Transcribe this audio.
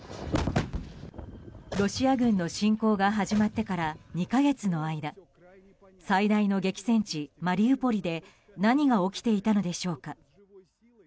ロシア軍の侵攻が始まってから２か月の間最大の激戦地マリウポリで何が起きていたのでしょうか。